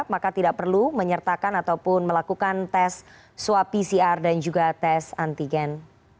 maka tidak perlu menyertakan ataupun melakukan tes swab pcr dan juga tes antigen